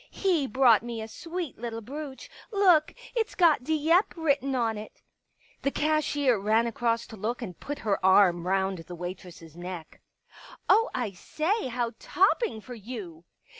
" He brought me a sweet little brooch. Look, it's got * Dieppe ' written on it." The cashier ran across to look and put her arm round the waitress' neck. " Oh, I say — how topping for you."